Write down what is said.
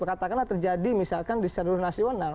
katakanlah terjadi misalkan di seluruh nasional